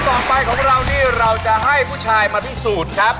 ต่อไปของเรานี่เราจะให้ผู้ชายมาพิสูจน์ครับ